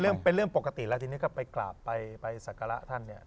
เป็นเรื่องปกติแล้วทีนี้ก็ไปกราบไปสักการะท่านเนี่ย